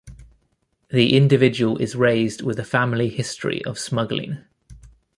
The individual is raised with a family history of smuggling.